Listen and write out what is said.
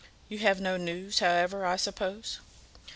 You have no news, however, I suppose?"